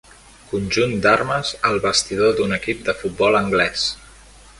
Conjunt d'armes al vestidor d'un equip de futbol anglès.